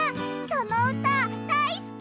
そのうただいすき！